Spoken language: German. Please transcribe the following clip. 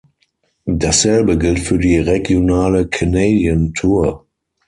Dasselbe gilt für die regionale "Canadian Tour".